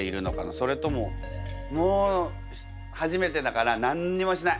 それとももう初めてだから何にもしない！